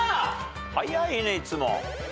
早いねいつも。